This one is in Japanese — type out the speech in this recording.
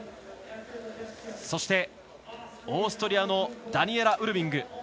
そして、オーストリアのダニエラ・ウルビング。